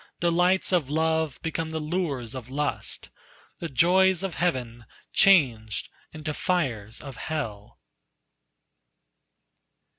Delights of love become the lures of lust, The joys of heaven changed into fires of hell."